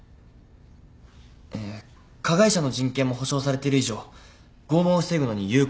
えー加害者の人権も保障されてる以上拷問を防ぐのに有効な黙秘権はあるべきです。